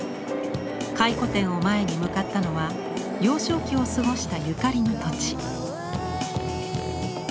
回顧展を前に向かったのは幼少期を過ごしたゆかりの土地。